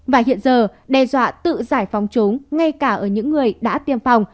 và hiện giờ đe dọa tự giải phóng chúng ngay cả ở những người đã tiêm phòng